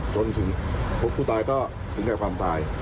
จนถึงพบผู้ตายก็ถึงแก่ความตาย